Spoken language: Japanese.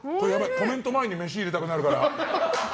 コメント前に飯入れたくなる。